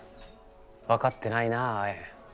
分かってないなアエン。